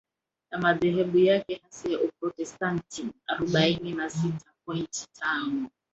ya madhehebu yake hasa ya Uprotestanti arobaini na sita point tano